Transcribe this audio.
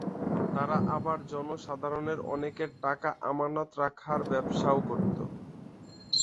তারা আবার জনসাধারণের অনেকের টাকা আমানত রাখার ব্যবসাও করত।